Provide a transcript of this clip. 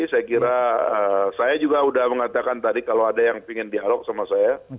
saya kira saya juga sudah mengatakan tadi kalau ada yang ingin dialog sama saya